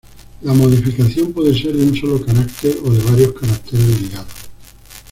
La modificación puede ser de un solo carácter, o de varios caracteres ligados.